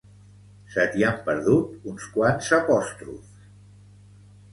Se t'hi han perdut uns quants apòstrofs